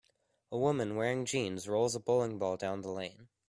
A woman, wearing jeans, rolls a bowling ball down the lane.